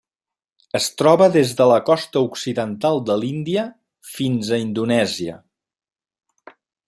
Es troba des de la costa occidental de l'Índia fins a Indonèsia.